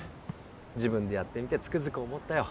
自分でやってみてつくづく思ったよ